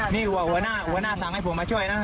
นี่หัวหน้าสั่งให้ผมมาช่วยนะ